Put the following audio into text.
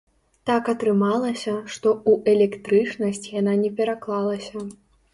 Так атрымалася, што ў электрычнасць яна не пераклалася.